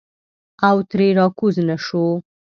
او ترې راکوز نه شو.